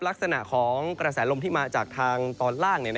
ลักษณะของกระแสลมที่มาจากทางตอนล่าง